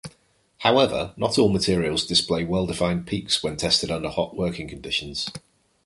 However, not all materials display well-defined peaks when tested under hot working conditions.